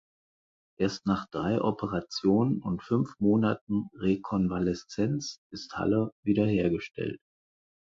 Erst nach drei Operationen und fünf Monaten Rekonvaleszenz ist Haller wiederhergestellt.